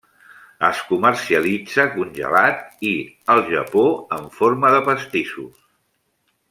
Es comercialitza congelat i, al Japó, en forma de pastissos.